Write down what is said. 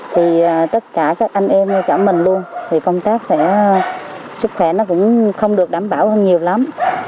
thì tất cả các anh em cả mình luôn thì công tác sẽ sức khỏe nó cũng không được đảm bảo hơn nhiều lắm